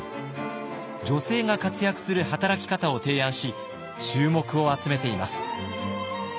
女性が活躍する働き方を提案し注目を集めています。